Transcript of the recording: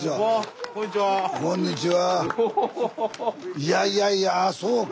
いやいやいやああそうか。